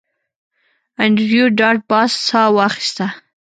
انډریو ډاټ باس ساه واخیسته